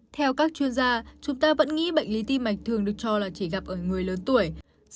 theo các chuyên gia chúng ta vẫn nghĩ bệnh lý tim mạch thường được cho là chỉ gặp ở người lớn tuổi